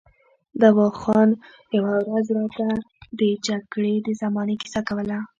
دوا خان یوه ورځ راته د جګړې د زمانې کیسه کوله.